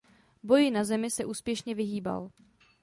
Boji na zemi se úspěšně vyhýbal.